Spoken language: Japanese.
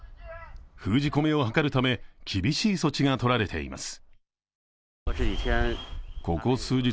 封じ込めを図るため厳しい措置が執られています。